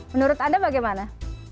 menurut anda bagaimana